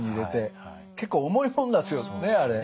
結構重いもんなんですよねあれ。